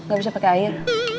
gak bisa pakai air